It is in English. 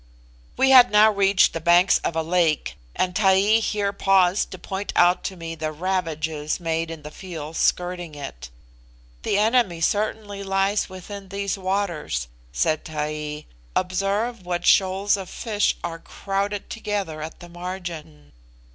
We had now reached the banks of a lake, and Taee here paused to point out to me the ravages made in fields skirting it. "The enemy certainly lies within these waters," said Taee. "Observe what shoals of fish are crowded together at the margin.